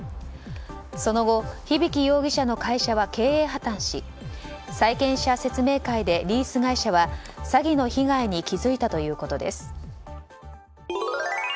その後日疋容疑者の会社は経営破綻し債権者説明会でリース会社は詐欺の被害に気付いたということです。